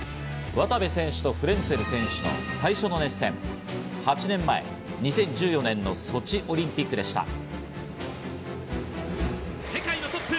渡部選手とフレンツェル選手の最初の熱戦、８年前、２０１４年のソチオリンピックでした。